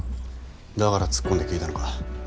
だから突っ込んで聞いたのか。